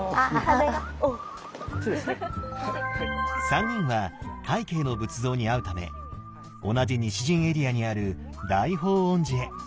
三人は快慶の仏像に会うため同じ西陣エリアにある大報恩寺へ。